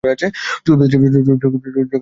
চুল বেঁধেছে, চোখে কাজল দিয়েছে-কপালে।